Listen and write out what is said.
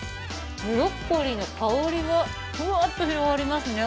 ブロッコリーの香りがふわっと広がりますね。